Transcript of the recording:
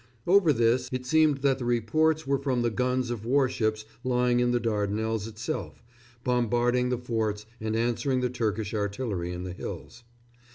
Over this, it seemed that the reports were from the guns of warships lying in the Dardanelles itself, bombarding the forts and answering the Turkish artillery in the hills.